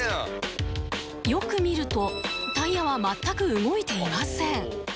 よく見るとタイヤは全く動いていません